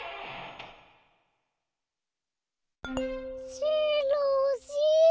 しろしろ。